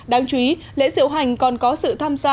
đáng chú ý lễ diễu hành còn có sự tham gia